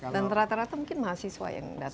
dan rata rata mungkin mahasiswa yang datang ke sini